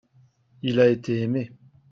il a été aimé.